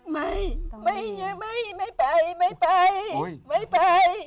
ไม่ไม่ไป